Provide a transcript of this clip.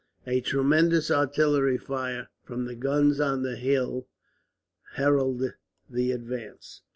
A tremendous artillery fire, from the guns on the hills, heralded the advance.